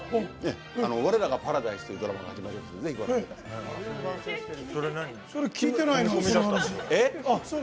「我らがパラダイス」というドラマが始まりますので聞いてないな。